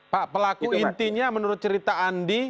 pak pelaku intinya menurut cerita andi